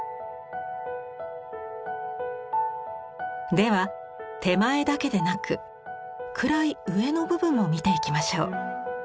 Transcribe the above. では手前だけでなく暗い上の部分も見ていきましょう。